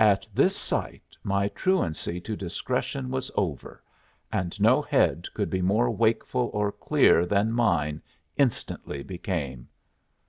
At this sight my truancy to discretion was over, and no head could be more wakeful or clear than mine instantly became.